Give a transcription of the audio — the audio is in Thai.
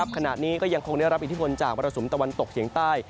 ขณะนี้ก็ยังคงได้รับอิทธิพลจากมรสุมตะวันตกเฉียงใต้